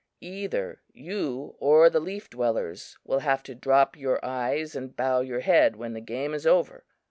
Either you or the Leaf Dwellers will have to drop your eyes and bow your head when the game is over.